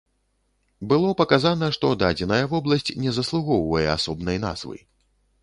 Было паказана, што дадзеная вобласць не заслугоўвае асобнай назвы.